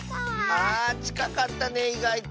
あちかかったねいがいと。